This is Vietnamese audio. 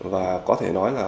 và có thể nói là